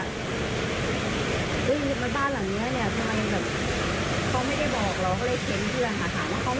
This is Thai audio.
รวมหัวหลอกหนูค่ะหรือว่า